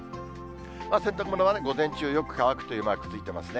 洗濯物は午前中よく乾くというマークついてますね。